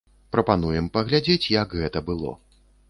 Прапануем паглядзець, як гэта было.